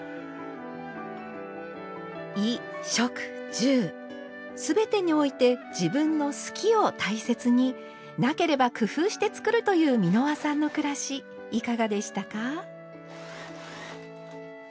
衣・食・住全てにおいて自分の「好き」を大切になければ工夫して作るという美濃羽さんの暮らしいかがでしたか？